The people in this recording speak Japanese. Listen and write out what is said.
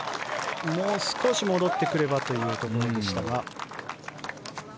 もう少し戻ってくればというところでしたが。